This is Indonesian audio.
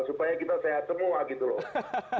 supaya kita sehat semua gitu loh